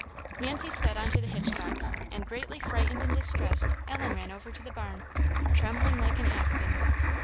Nancy sped on to the Hitchcock's; and, greatly frightened and distressed, Ellen ran over to the barn, trembling like an aspen.